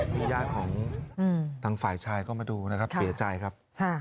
นี่ญาติของทางฝ่ายชายก็มาดูนะครับเสียใจครับ